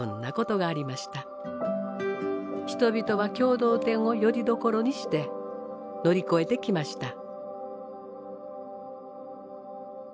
人々は共同店をよりどころにして乗り越えてきました。